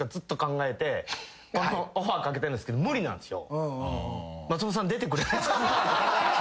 オファーかけてるんすけど無理なんすよ。